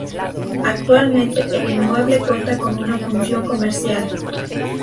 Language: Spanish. Actualmente el inmueble cuenta con una función comercial.